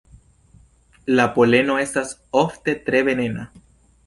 La poleno estas ofte tre venena.